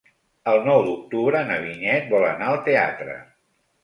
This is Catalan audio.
El nou d'octubre na Vinyet vol anar al teatre.